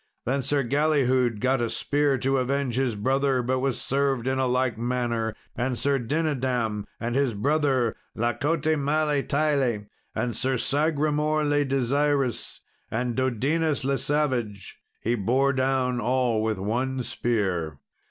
Then Sir Galihud got a spear to avenge his brother, but was served in like manner. And Sir Dinadam, and his brother La cote male taile, and Sir Sagramour le Desirous, and Dodinas le Savage, he bore down all with one spear.